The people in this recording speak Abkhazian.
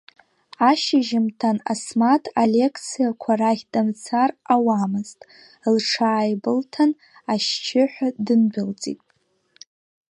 Ашьыжьымҭан Асмаҭ алеқциақәа рахь дымцар ауамызт, лҽааибылҭан, ашьшьыҳәа дындәылҵит.